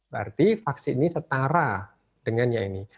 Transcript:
berarti vaksin ini setara dengannya ini